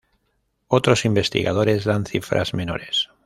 Otros investigadores dan cifras menores.